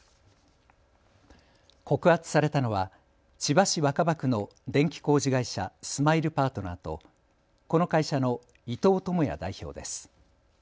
告発されたのは千葉市若葉区の電気工事会社、スマイルパートナーとこの会社の伊藤友哉代表です。